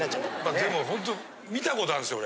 でもほんと見たことあるんですよ俺。